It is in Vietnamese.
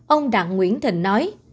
ông đặng nguyễn thịnh nói